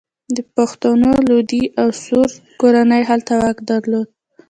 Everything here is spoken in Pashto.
د پښتنو لودي او سور کورنیو هلته واک درلود.